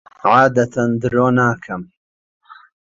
عادەتەن درۆ ناکەم.